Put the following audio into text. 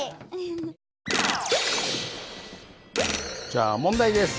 じゃあ問題です。